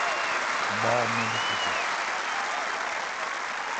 باڑ نہ لوکوٹہ ۔